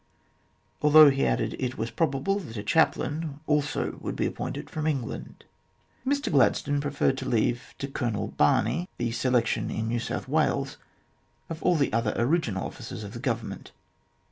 although, he added, it was probable that a chaplain also would be appointed from England. Mr Gladstone preferred to leave to Colonel Barney the selection, in New South Wales, of all the other original officers of the Government.